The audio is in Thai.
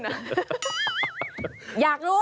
่นหน่า